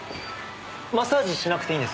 マッサージしなくていいんですか？